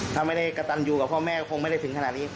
ถ้าไม่ได้กระตันอยู่กับพ่อแม่คงไม่ได้ถึงขนาดนี้